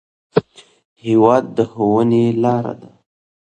هېواد د ښوونې لار ده.